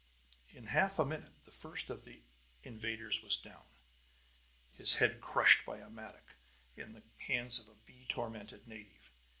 In half a minute the first of the invaders was down, his head crushed by a mattock in the hands of a bee tormented native.